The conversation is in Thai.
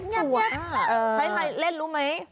ไปพายเล่นรู้ไหม